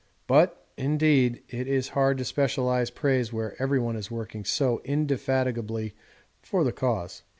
But, indeed, it is hard to specialise praise where everyone is working so indefatigably for the cause.